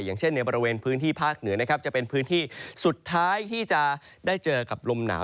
อย่างเช่นในบริเวณพื้นที่ภาคเหนือนะครับจะเป็นพื้นที่สุดท้ายที่จะได้เจอกับลมหนาว